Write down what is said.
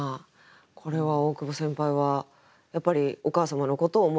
これは大久保先輩はやっぱりお母様のことを思いながら？